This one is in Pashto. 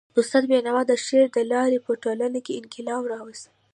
استاد بینوا د شعر د لاري په ټولنه کي انقلاب راوست.